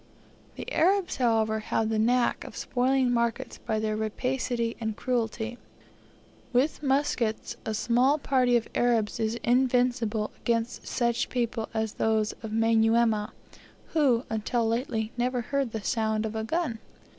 The Arabs, however, have the knack of spoiling markets by their rapacity and cruelty. With muskets, a small party of Arabs is invincible against such people as those of Manyuema, who, until lately, never heard the sound of a gun.